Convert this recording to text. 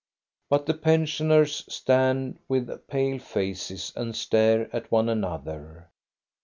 But the pensioners stand with pale faces and stare at one another.